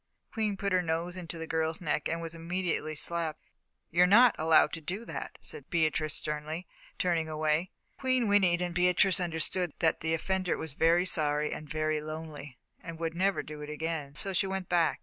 Queen put her nose into the girl's neck and was immediately slapped. "You're not allowed to do that," said Beatrice, sternly, turning away. Queen whinnied and Beatrice understood that the offender was very sorry and very lonely, and would never do it again, so she went back.